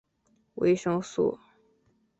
维生素。